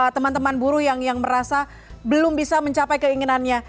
teman teman buruh yang merasa belum bisa mencapai keinginannya